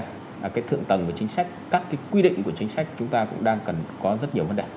cái thượng tầng về chính sách các cái quy định của chính sách chúng ta cũng đang cần có rất nhiều vấn đề